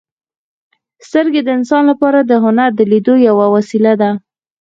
• سترګې د انسان لپاره د هنر د لیدلو یوه وسیله ده.